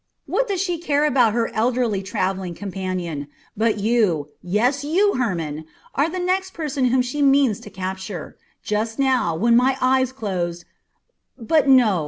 What does she care about her elderly travelling companion? But you yes, you, Hermon are the next person whom she means to capture. Just now, when my eyes closed But no!